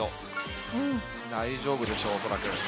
大丈夫でしょう恐らく。